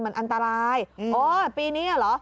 มันอันตรายโอ้ยปีนี้อ่ะเหรอ